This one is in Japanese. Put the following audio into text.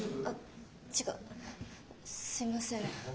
あっ違うすいません。